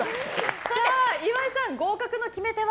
岩井さん、合格の決め手は？